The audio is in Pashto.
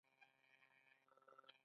د بیان ازادي مهمه ده ځکه چې نفرت کموي.